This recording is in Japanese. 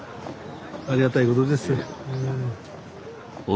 ありがたいことですよ。